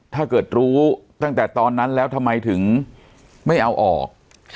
ถ้าเกิดรู้ตั้งแต่ตอนนั้นแล้วทำไมถึงไม่เอาออก